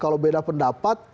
kalau beda pendapat